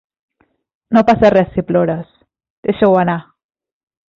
No passa res si plores, deixa-ho anar.